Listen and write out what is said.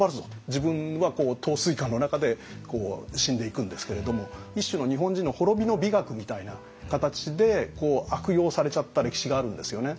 自分は陶酔下の中で死んでいくんですけれども一種の日本人の滅びの美学みたいな形で悪用されちゃった歴史があるんですよね。